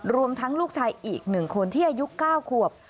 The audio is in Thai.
รวมทั้งลูกชายอีก๑คนที่อายุ๙ขวบ